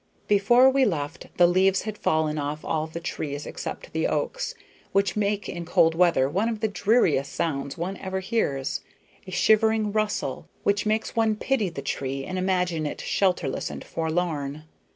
Before we left the leaves had fallen off all the trees except the oaks, which make in cold weather one of the dreariest sounds one ever hears: a shivering rustle, which makes one pity the tree and imagine it shelterless and forlorn.